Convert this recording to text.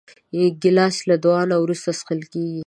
ګیلاس له دعا نه وروسته څښل کېږي.